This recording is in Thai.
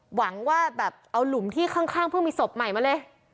หวังว่าแบบเอาหลุมที่ข้างเพิ่งมีศพใหม่มาเลย